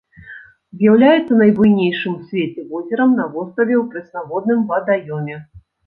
З'яўляецца найбуйнейшым у свеце возерам на востраве ў прэснаводным вадаёме.